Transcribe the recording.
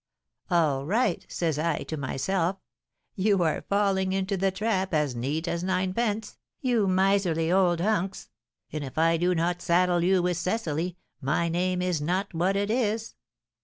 'All right,' says I to myself; 'you are falling into the trap as neat as ninepence, you miserly old hunks, and if I do not saddle you with Cecily, my name is not what it is!'